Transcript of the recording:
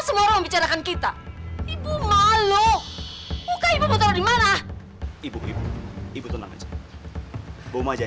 sampai jumpa di video selanjutnya